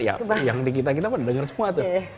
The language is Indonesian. ya yang di kita kita pun denger semua tuh